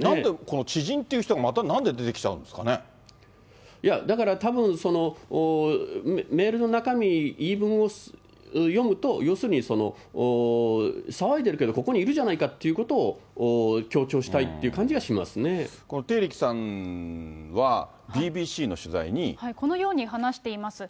なんでこの知人という人が、またなんで出てきちゃうんですかだからたぶん、そのメールの中身、言い分を読むと、要するに、騒いでるけどここにいるじゃないかということを協調したいっていこの丁力さんは、ＢＢＣの取このように話しています。